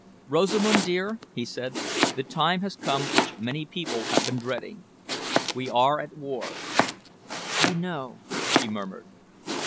"Rosamund dear," he said, "the time has come which many people have been dreading. We are at war." "I know," she murmured.